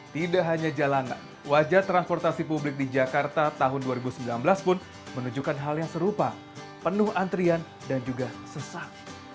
tidak hanya jalanan wajah transportasi publik di jakarta tahun dua ribu sembilan belas pun menunjukkan hal yang serupa penuh antrian dan juga sesak